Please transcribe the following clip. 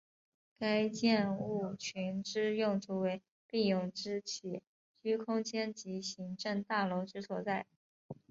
该建物群之用途为病友之起居空间及行政大楼之所在。